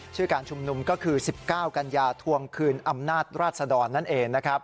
ชื่อการชุมนุมก็คือ๑๙กันยาทวงคืนอำนาจราชดรน้านเอง